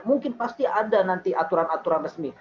mungkin pasti ada nanti aturan aturan resmi